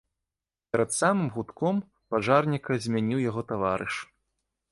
Перад самым гудком пажарніка змяніў яго таварыш.